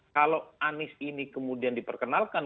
kalau anies ini kemudian diperkenalkan